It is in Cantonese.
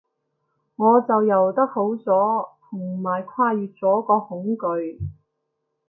我就游得好咗，同埋跨越咗個恐懼